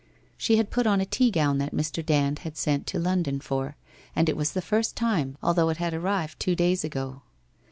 She had put on a tea gown that Mr. Dand had sent to London for, and it was the first time, although it had arrived two days ago.